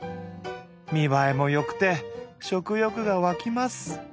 見栄えも良くて食欲がわきます。